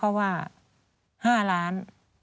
ก็ว่า๕ล้าน